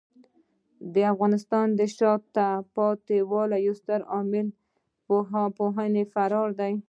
د افغانستان د شاته پاتې والي یو ستر عامل د پوهانو فرار دی.